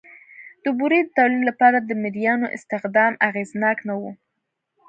د بورې د تولید لپاره د مریانو استخدام اغېزناک نه و